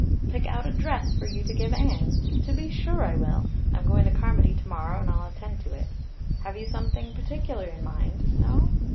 "Pick out a dress for you to give Anne? To be sure I will. I'm going to Carmody tomorrow and I'll attend to it. Have you something particular in mind? No?